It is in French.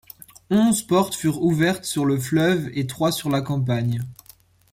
Onze portes furent ouvertes sur le fleuve et trois sur la campagne.